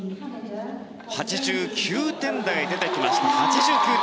８９点台が出てきました。